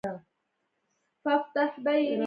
فیوډالېزم د نابودۍ پر ځای لا پیاوړی شو.